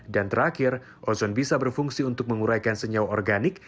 dan terakhir ozon bisa berfungsi untuk menguraikan senyawa organik